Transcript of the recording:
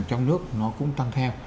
trong nước nó cũng tăng theo